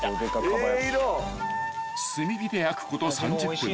［炭火で焼くこと３０分］